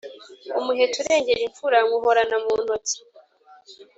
Umuheto urengera imfura nywuhorana mu ntoki